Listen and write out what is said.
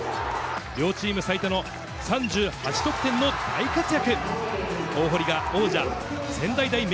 両チーム最多の３８得点の大活躍。